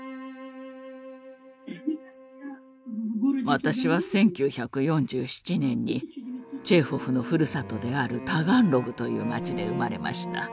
私は１９４７年にチェーホフのふるさとであるタガンログという町で生まれました。